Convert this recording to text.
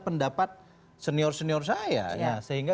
pendapat senior senior saya